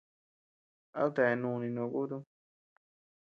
¿A kutea núni no kutum?